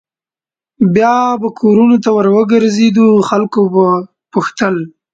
بیا به کورونو ته ور وګرځېدو خلکو به پوښتل.